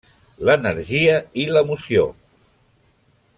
L'energia i l'emoció!